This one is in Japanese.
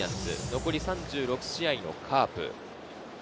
残り３６試合のカープ。